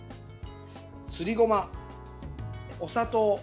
すりごま、お砂糖。